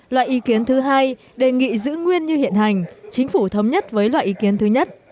loại ý kiến thứ hai đề nghị giữ nguyên như hiện hành chính phủ thống nhất với loại ý kiến thứ nhất